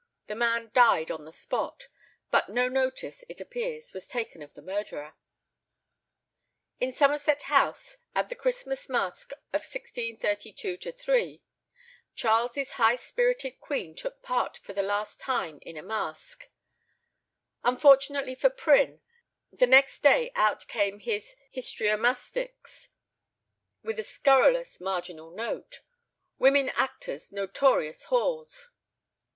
The man died on the spot, but no notice, it appears, was taken of the murderer. In Somerset House, at the Christmas masque of 1632 3, Charles's high spirited queen took part for the last time in a masque. Unfortunately for Prynne, the next day out came his Histriomastix, with a scurrilous marginal note, "Women actors notorious whores!"